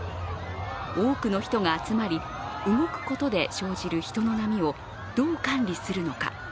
多くの人が集まり、動くことで生じる人の波をどう管理するのか。